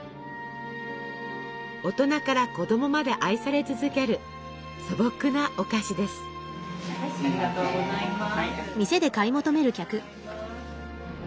大人から子供まで愛され続ける素朴なお菓子です。